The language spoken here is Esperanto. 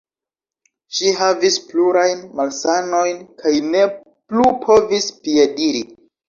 Ŝi havis plurajn malsanojn kaj ne plu povis piediri.